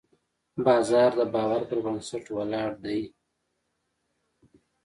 بازار د باور پر بنسټ ولاړ دی.